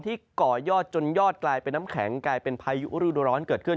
ก่อยอดจนยอดกลายเป็นน้ำแข็งกลายเป็นพายุฤดูร้อนเกิดขึ้น